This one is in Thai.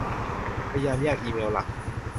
พยายามแยกอีเมลหลัก